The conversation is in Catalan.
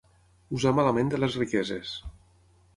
Usar malament de les riqueses.